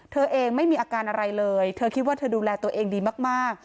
เธอเองไม่มีอาการอะไรเลยเธอคิดว่าเธอดูแลตัวเองดีมาก